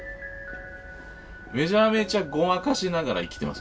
めちゃめちゃごまかしながら生きてます